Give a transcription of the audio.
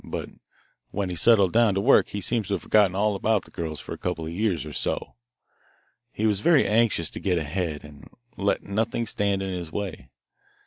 But when he settled down to work he seems to have forgotten all about the girls for a couple of years or so. He was very anxious to get ahead, and let nothing stand in his way.